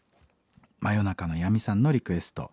真夜中の闇さんのリクエスト